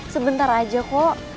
sebentar aja kok